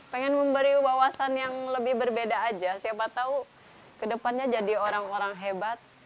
pengen memberi wawasan yang lebih berbeda aja siapa tahu kedepannya jadi orang orang hebat